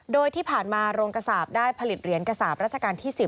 โดยที่ผ่านมาโรงกระสาปได้ผลิตเหรียญกระสาปรัชกาลที่๑๐